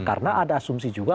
karena ada asumsi juga